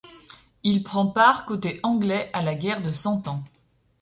Il prend part côté anglais à la guerre de Cent Ans.